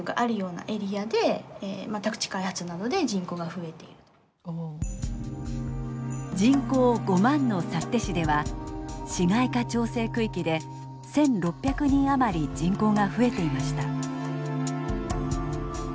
見て分かると思うんですけど人口５万の幸手市では市街化調整区域で１，６００人余り人口が増えていました。